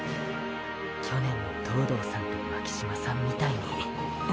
去年の東堂さんと巻島さんみたいに。